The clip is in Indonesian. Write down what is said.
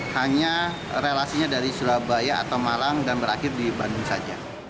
hanya relasinya dari surabaya atau malang dan berakhir di bandung saja